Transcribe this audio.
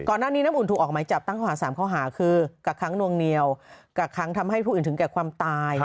น้ำอุ่นถูกออกหมายจับตั้งข้อหา๓ข้อหาคือกักค้างนวงเหนียวกักค้างทำให้ผู้อื่นถึงแก่ความตาย